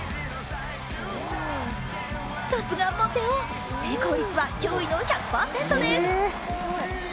さすがモテ男成功率は驚異の１００％です。